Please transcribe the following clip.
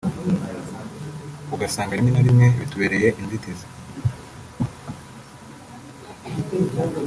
ugasanga rimwe na rimwe bitubereye inzitizi